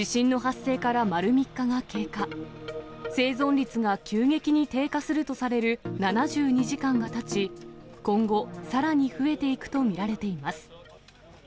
生存率が急激に低下するとされる７２時間がたち、今後、さらに増えていくと見られています。